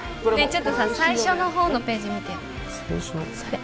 ちょっとさ最初の方のページ見てよ最初？